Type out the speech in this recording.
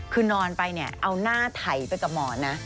คือนอนไปเนี่ยเอาหน้าไถไปกับหมอนนะ